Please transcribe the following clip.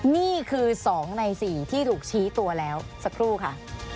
นี่คือ๒ใน๔ที่ถูกชี้ตัวแล้วสักครู่ค่ะ